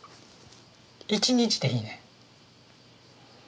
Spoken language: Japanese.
１日でいいねん。